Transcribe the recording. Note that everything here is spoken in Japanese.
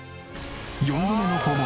４度目の訪問